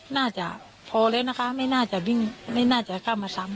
น่าจะพอแล้วนะคะไม่น่าจะวิ่งไม่น่าจะเข้ามาซ้ำ